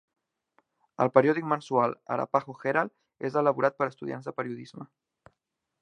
El periòdic mensual "Arapaho Herald" és elaborat per estudiants de periodisme.